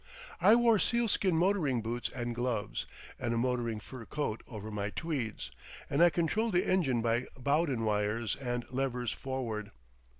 I wore sealskin motoring boots and gloves, and a motoring fur coat over my tweeds, and I controlled the engine by Bowden wires and levers forward.